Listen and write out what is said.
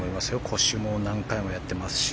腰も何回もやってますし。